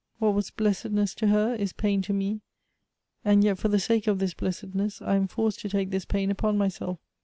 What was blessedness to her, is pain to me ; and yet for the sake of this blessedness I am forced to take this pain upon myself.